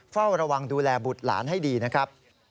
เฝ้าระวังดูแลบุตรหลานให้ดีนะครับ